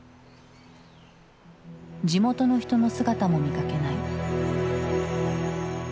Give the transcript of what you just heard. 地元の人の姿も見かけない。